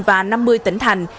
và năm mươi tỉnh thành